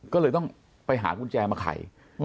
ก็เลยต้องไปหากุญแจมาไข